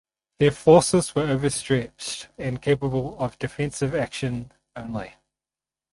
Their forces were overstretched and capable of defensive action only.